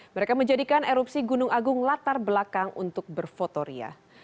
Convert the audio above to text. mereka menjadikan erupsi gunung agung latar belakang untuk berfotoria